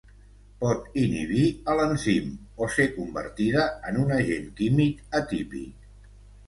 Pot inhibir a l'enzim o ser convertida en un agent químic atípic.